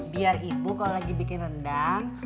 biar ibu kalau lagi bikin rendang